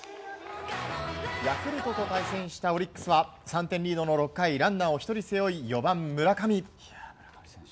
ヤクルトと対戦したオリックスは、３点リードの６回ランナーを１人背負い４番、村上。